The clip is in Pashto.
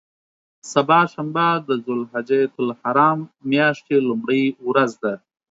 سبا شنبه د ذوالحجة الحرام میاشتې لومړۍ ورځ ده.